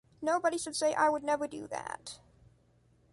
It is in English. Nobody should say “I would never do that”.